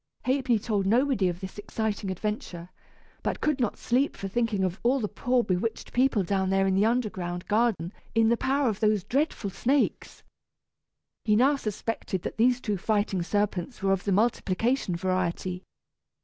Ha'penny told nobody of this exciting adventure, but could not sleep for thinking of all the poor bewitched people down there in the underground garden in the power of those dreadful snakes. He now suspected that these two fighting serpents were of the multiplication variety.